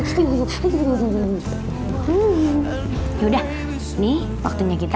sudah nih waktunya kita